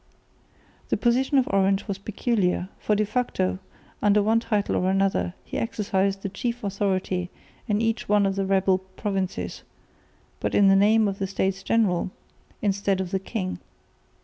The position of Orange was peculiar, for de facto under one title or another he exercised the chief authority in each one of the rebel provinces, but in the name of the States General, instead of the king.